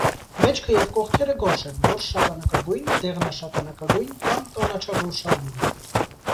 Մեջքը և կողքերը գորշ են, գորշ շագանակագույն, դեղնաշագանակագույն կամ կանաչագորշավուն։